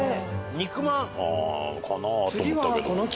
肉まん！かな？と思ったけど。